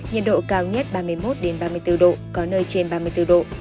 nhiệt độ cao nhất ba mươi một ba mươi bốn độ có nơi trên ba mươi bốn độ